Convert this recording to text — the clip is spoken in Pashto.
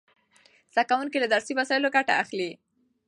زده کوونکي له درسي وسایلو ګټه اخلي.